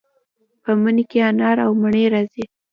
په مني کې انار او مڼې راځي.